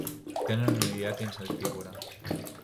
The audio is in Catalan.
Tenen una dieta insectívora.